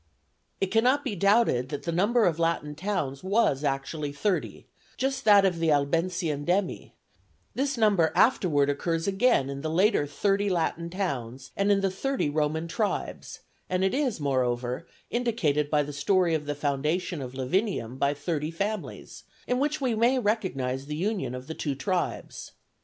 It cannot be doubted that the number of Latin towns was actually thirty, just that of the Albensian demi; this number afterward occurs again in the later thirty Latin towns and in the thirty Roman tribes, and it is moreover indicated by the story of the foundation of Lavinium by thirty families, in which we may recognize the union of the two tribes.